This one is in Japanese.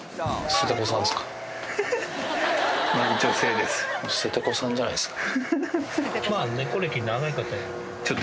ステテコさんじゃないですか？